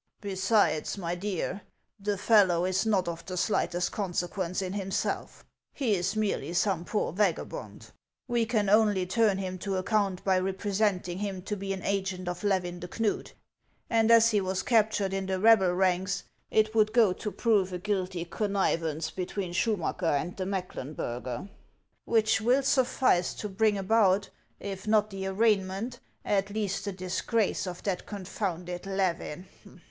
Besides, my dear, the fellow is not of the slightest consequence in himself; he is merely some poor vagabond. We can only turn him to account by representing him to be an agent of Levin de Knud, and as he was captured in the rebel ranks, it would go to prove a guilty connivance between Schumacker and the Mecklenburger, which will suffice to bring about, if not the arraignment, at least the disgrace, of that confounded Levin."